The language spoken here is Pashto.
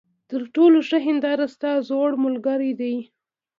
تر ټولو ښه هینداره ستا زوړ ملګری دی.